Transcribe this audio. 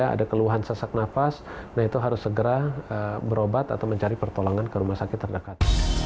ada keluhan sesak nafas nah itu harus segera berobat atau mencari pertolongan ke rumah sakit terdekat